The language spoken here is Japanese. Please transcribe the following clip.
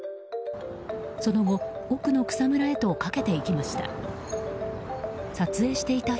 その後、奥の草むらへと駆けていきました。